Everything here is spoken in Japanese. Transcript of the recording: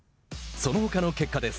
そのほかの結果です。